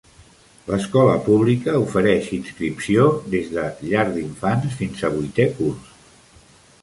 L'escola pública ofereix inscripció des de llar d'infants fins a vuitè curs.